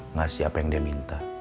ngasih apa yang dia minta